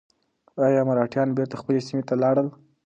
ایا مرهټیان بېرته خپلې سیمې ته لاړل؟